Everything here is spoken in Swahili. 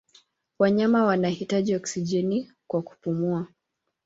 Wanyama wanahitaji oksijeni kwa kupumua.